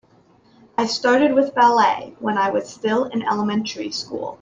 I started with ballet when I was still in elementary school.